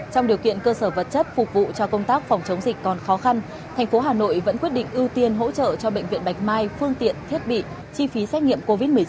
trong điều kiện cơ sở vật chất phục vụ cho công tác phòng chống dịch còn khó khăn thành phố hà nội vẫn quyết định ưu tiên hỗ trợ cho bệnh viện bạch mai phương tiện thiết bị chi phí xét nghiệm covid một mươi chín